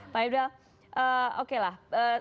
pak idwal oke lah